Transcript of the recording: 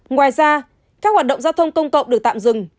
ngoài ra các hoạt động giao thông công cộng được tạm dừng